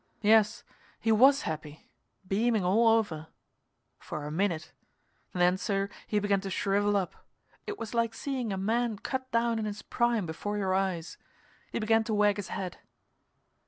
Yes, he was happy, beaming all over for a minute. Then, sir, he began to shrivel up. It was like seeing a man cut down in his prime before your eyes. He began to wag his head.